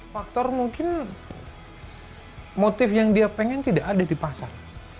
faktor mungkin motif yang dia pengen tidak ada di pasar